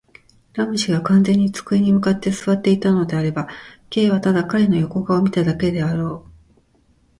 ラム氏が完全に机に向って坐っていたのであれば、Ｋ はただ彼の横顔を見ただけであろう。